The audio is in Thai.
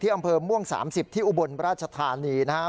อำเภอม่วง๓๐ที่อุบลราชธานีนะครับ